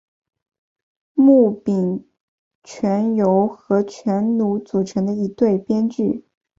木皿泉由和泉努组成的一对编剧。